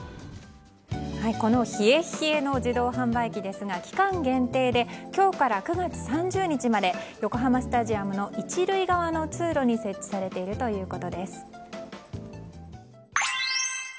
この冷え冷えの自動販売機ですが期間限定で今日から９月３０日まで横浜スタジアムの１塁側の通路に設置されているということです。